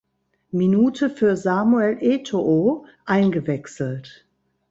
Minute für Samuel Eto’o eingewechselt.